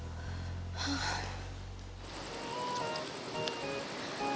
rumah lo sih ini mau jadi ya ki